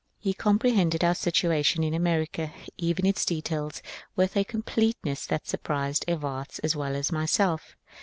He comprehended our situation in America, even its details, with a completeness that surprised Evarts as well as myself.